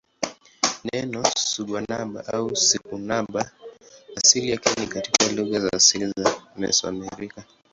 Neno siguanaba au sihuanaba asili yake ni katika lugha za asili za Mesoamerica.